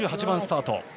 ２８番スタート。